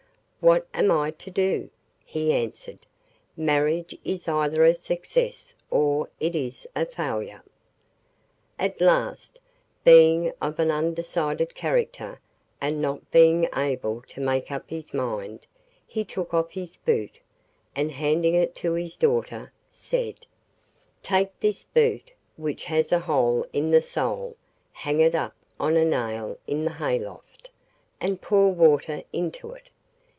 'What am I to do?' he answered. 'Marriage is either a success or it is a failure.' At last, being of an undecided character and not being able to make up his mind, he took off his boot, and handing it to his daughter, said: 'Take this boot which has a hole in the sole, hang it up on a nail in the hayloft, and pour water into it.